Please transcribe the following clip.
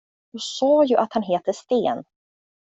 Jag sa ju att han heter Sten.